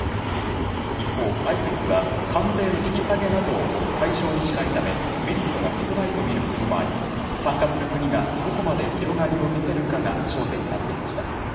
一方、ＩＰＥＦは関税の引き下げなどを対象にしないため、メリットが少ないと見る国もあり、参加する国がどこまで広がりを見せるかが焦点になっていました。